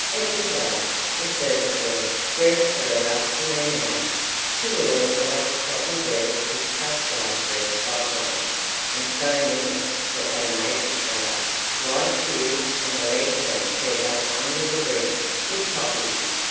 It was Alice, the servant girl, dressed for her afternoon out. She wore a white cotton dress with such large red spots on it and so many that they made you shudder, white shoes and a leghorn turned up under the brim with poppies.